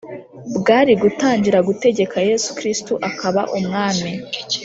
bwari gutangira gutegeka Yesu Kristo akaba Umwami